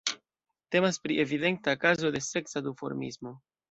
Temas pri evidenta kazo de seksa duformismo.